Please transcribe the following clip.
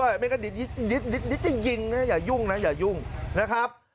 อย่ายุ่งด้วยเหรอเลยจะยิงนะอย่ายุ่งนะอย่ายุ่งนะครับ